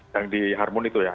yang di harmon itu ya